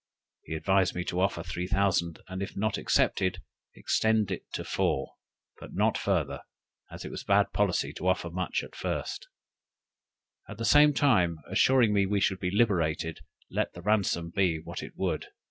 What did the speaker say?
He advised me to offer three thousand, and if not accepted, extend it to four; but not farther, as it was bad policy to offer much at first: at the same time assuring me we should be liberated, let the ransom be what it would.